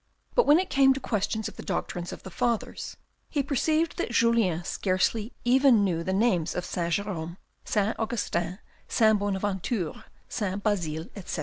' But when it came to questions of the doctrines of the Fathers, he perceived that Julien scarcely even knew the names of Saint Jerome, Saint Augustin, Saint Bonaventure, Saint Basile, etc.